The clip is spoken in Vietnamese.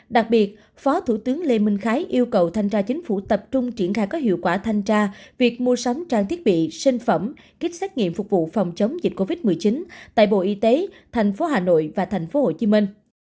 đặc biệt phó thủ tướng lê minh khái yêu cầu thanh tra chính phủ tập trung triển khai có hiệu quả thanh tra việc mua sắm trang thiết bị sinh phẩm kích xét nghiệm phục vụ phòng chống dịch covid một mươi chín tại bộ y tế thành phố hà nội và thành phố hồ chí minh